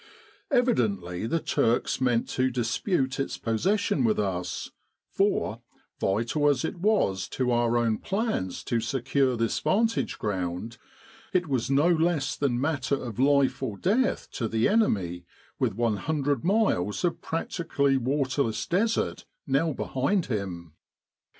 Evidently the Turks meant to dispute its possession with us ; For, vital as it was to our own plans to secure this vantage ground, it was no less than matter of life or death to the enemy with 100 miles of practically waterless desert now behind him.